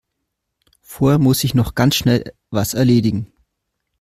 Vorher muss ich noch ganz schnell was erledigen.